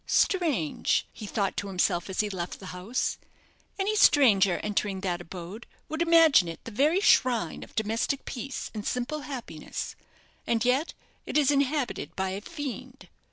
"Strange!" he thought to himself, as he left the house; "any stranger entering that abode would imagine it the very shrine of domestic peace and simple happiness, and yet it is inhabited by a fiend."